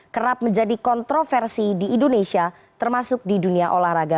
kerap menjadi kontroversi di indonesia termasuk di dunia olahraga